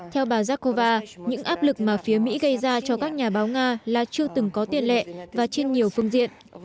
theo bà jakova những áp lực mà phía mỹ gây ra cho các nhà báo nga là chưa từng có tiền lệ và trên nhiều phương diện